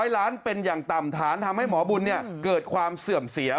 ๐ล้านเป็นอย่างต่ำฐานทำให้หมอบุญเกิดความเสื่อมเสีย